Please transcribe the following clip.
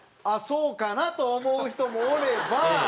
そうかなと思う人もおれば。